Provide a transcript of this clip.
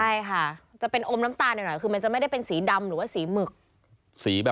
ใช่ค่ะจะเป็นอมน้ำตาลหน่อยคือมันจะไม่ได้เป็นสีดำหรือว่าสีหมึก